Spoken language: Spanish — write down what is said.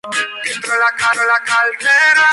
Se licenció en Economía en la Universidad de Valladolid.